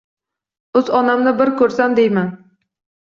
O‘z onamni bir ko‘rsam deyman.